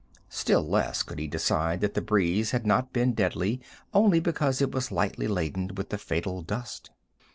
Still less could he decide that the breeze had not been deadly only because it was lightly laden with the fatal dust.